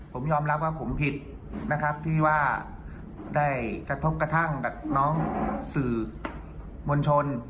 ผมยอมรับว่าผมผิดนะครับที่ว่าได้กระทบกระทั่งกับน้องสื่อมวลชน